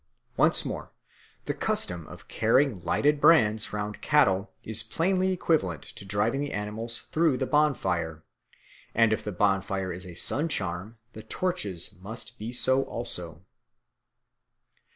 Once more, the custom of carrying lighted brands round cattle is plainly equivalent to driving the animals through the bonfire; and if the bonfire is a suncharm, the torches must be so also.